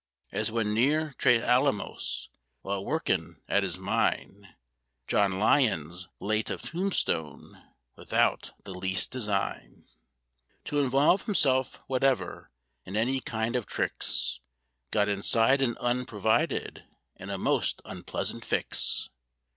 As when near Tres Alamos, while workin' at his mine, John Lyons, late of Tombstone, without the least design To involve himself whatever in any kind of tricks, Got inside an unprovided and a most unpleasant fix.